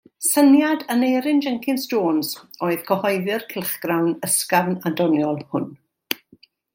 Syniad Aneurin Jenkins Jones oedd cyhoeddi'r cylchgrawn ysgafn a doniol hwn.